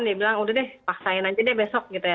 dia bilang udah deh paksain aja deh besok gitu ya